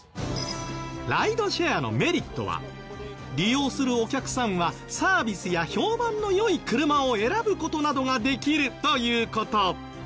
ライドシェアのメリットは利用するお客さんはサービスや評判の良い車を選ぶ事などができるという事。